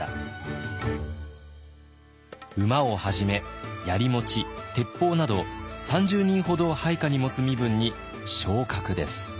馬をはじめやり持ち鉄砲など３０人ほどを配下に持つ身分に昇格です。